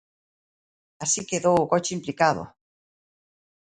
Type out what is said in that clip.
Así quedou o coche implicado.